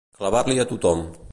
Clavar-l'hi a tothom.